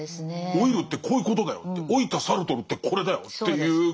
老いるってこういうことだよって老いたサルトルってこれだよっていうこと。